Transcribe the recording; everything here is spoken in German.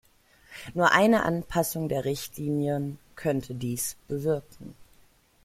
Nur eine Anpassung der Richtlinien könnte dies bewirken.